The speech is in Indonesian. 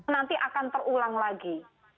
nanti akan terulang lagi